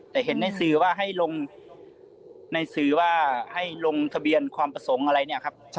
แต่เห็นในสื่อว่าให้ลงในสื่อว่าให้ลงทะเบียนความประสงค์อะไรเนี่ยครับ